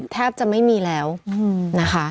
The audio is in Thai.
แทบจะไม่มีแล้วนะคะ